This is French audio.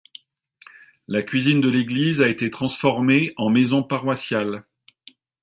La cuisine de l'église a été transformée en maison paroissiale.